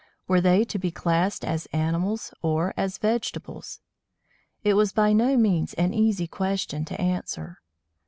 Were they to be classed as animals or as vegetables? It was by no means an easy question to answer.